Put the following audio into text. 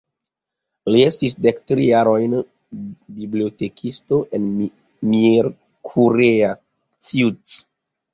Li estis dektri jarojn bibliotekisto en Miercurea Ciuc.